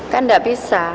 kan tidak bisa